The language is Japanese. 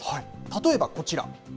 例えばこちら。